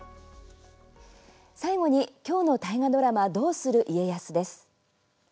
最後に、今日の大河ドラマ「どうする家康」です。